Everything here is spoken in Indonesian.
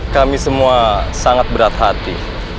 kami semua sangat berat hati